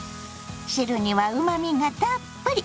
汁にはうまみがたっぷり。